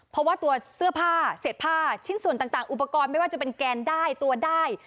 เพราะว่าตัวเสื้อผ้าเศษผ้าชิ้นส่วนต่างอุปกรณ์ไม่ว่าจะเป็นแกนได้ตัวได้